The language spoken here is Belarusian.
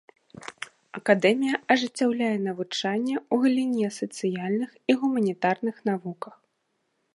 Акадэмія ажыццяўляе навучанне ў галіне сацыяльных і гуманітарных навуках.